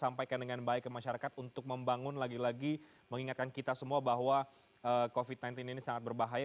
sampaikan dengan baik ke masyarakat untuk membangun lagi lagi mengingatkan kita semua bahwa covid sembilan belas ini sangat berbahaya